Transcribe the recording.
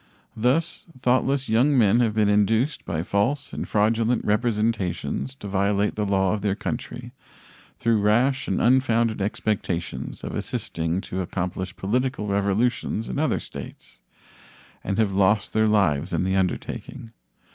Thus thoughtless young men have been induced by false and fraudulent representations to violate the law of their country through rash and unfounded expectations of assisting to accomplish political revolutions in other states, and have lost their lives in the undertaking.